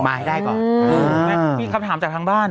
มาให้ได้ก่อนมีคำถามจากทางบ้าน